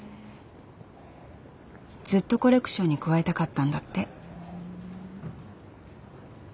ずっとコレクションに加えたかったんだって。